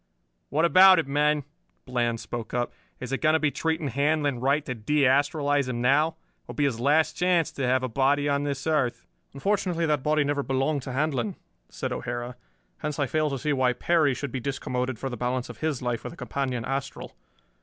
"What about it, men?" Bland spoke up. "Is it going to be treating Handlon right to de astralize him now? It will be his last chance to have a body on this earth." "Unfortunately that body never belonged to Handlon," said O'Hara. "Hence I fail to see why Perry should be discommoded for the balance of his life with a companion astral.